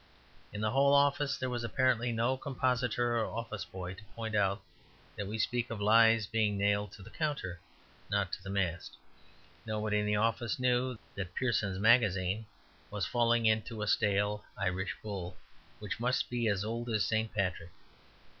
In the whole office there was apparently no compositor or office boy to point out that we speak of lies being nailed to the counter, and not to the mast. Nobody in the office knew that Pearson's Magazine was falling into a stale Irish bull, which must be as old as St. Patrick.